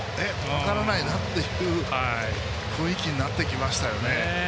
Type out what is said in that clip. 分からないなっていう雰囲気になってきましたよね。